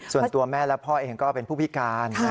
ส่วนตัวแม่และพ่อเองก็เป็นผู้พิการ